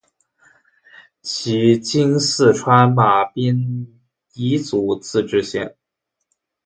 即今四川马边彝族自治县。